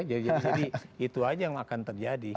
jadi itu saja yang akan terjadi